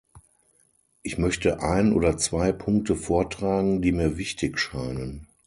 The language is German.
Ich möchte ein oder zwei Punkte vortragen, die mir wichtig scheinen.